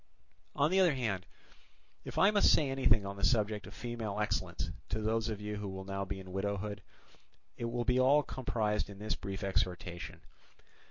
On the other hand, if I must say anything on the subject of female excellence to those of you who will now be in widowhood, it will be all comprised in this brief exhortation.